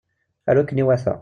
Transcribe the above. Aru akken iwata.